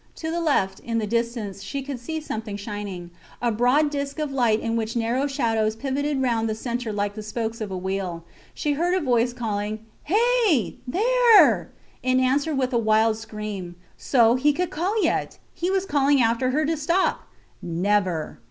To the left, in the distance, she could see something shining: a broad disc of light in which narrow shadows pivoted round the centre like the spokes of a wheel. She heard a voice calling, Hey! There! and answered with a wild scream. So, he could call yet! He was calling after her to stop. Never!